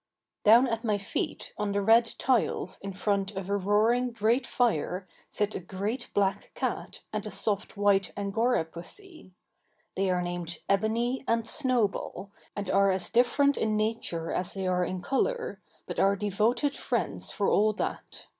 Down at my feet on the red tiles in front of a roaring great fire sit a great black cat and a soft white Angora pussy. They are named Ebony and Snowball and are as different in nature as they are in colour, but are devoted friends for all that.